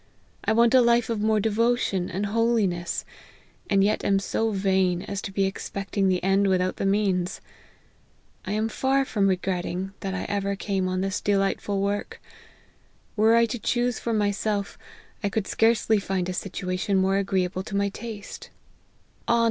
I want a life of more devo tion and holiness ; and yet am so vain, as to be ex pecting the end without the means. I am fat from regretting that I ever came on this delightful work ; were I to choose for myself, I could scarce ly find a situation more agreeable to my taste. On, 64 LIFE OF HENRY MARTYN.